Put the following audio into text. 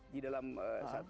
di dalam satu